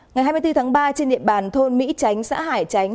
ngày hai mươi bốn tháng ba trên địa bàn thôn mỹ tránh xã hải chánh